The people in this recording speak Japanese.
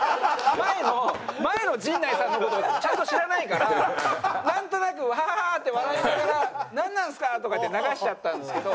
前の前の陣内さんの事をちゃんと知らないからなんとなくハハハって笑いながらなんなんですか？とか言って流しちゃったんですけど。